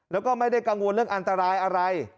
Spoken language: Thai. แล้วก็ไม่ได้กังวลเรื่องอันตรายอะไร